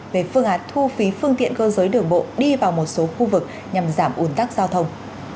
về phương án thu phí phương tiện cơ giới đường bộ đi vào một số khu vực nhằm giảm ủn tắc giao thông